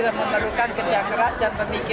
dan umumnya banyak yang masih ada